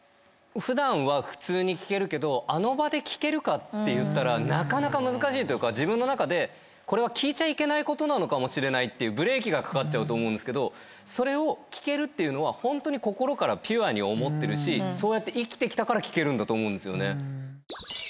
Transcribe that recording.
普段は普通に聞けるけどあの場で聞けるかっていったらなかなか難しいというか自分の中でこれは聞いちゃいけないことなのかもしれないっていうブレーキがかかっちゃうと思うんですけどそれを聞けるっていうのはホントに心からピュアに思ってるしそうやって生きてきたから聞けるんだと思うんですよね。